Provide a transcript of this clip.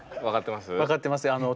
分かってますよ